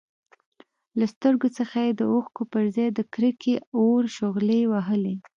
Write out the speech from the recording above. له سترګو څخه يې د اوښکو پرځای د کرکې اور شغلې وهلې.